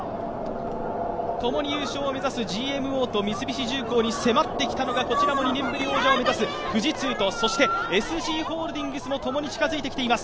ともに優勝を目指すＧＭＯと三菱重工に迫ってきたのがこちらも２年ぶり王者を目指す富士通とそしてＳＧホールディングスもともに近づいてきています。